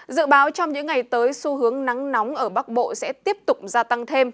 dự báo trong những ngày tới xu hướng nắng nóng ở bắc bộ sẽ tiếp tục gia tăng thêm